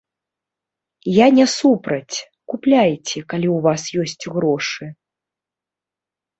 Я не супраць, купляйце, калі ў вас ёсць грошы.